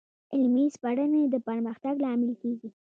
علمي سپړنې د پرمختګ لامل کېږي.